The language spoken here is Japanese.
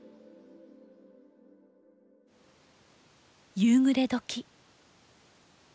夕暮れ時。